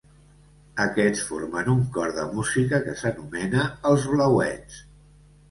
Aquests formen un cor de música que s'anomena els Blauets.